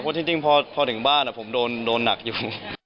เพราะจริงพอถึงบ้านผมโดนหนักอยู่